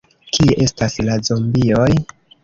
Kie estas la zombioj?